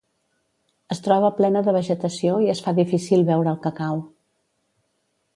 Es troba plena de vegetació i es fa difícil veure el cacau.